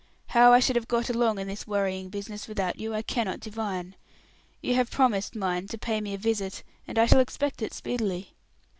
How I should have got along in this worrying business without you, I cannot divine. You have promised, mind, to pay me a visit, and I shall expect it speedily."